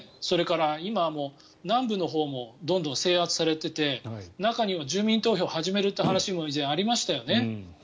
それから今、南部のほうもどんどん制圧されていて中にも住民投票を始めるという話も以前ありましたよね。